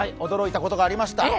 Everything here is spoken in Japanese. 驚いたことがありました。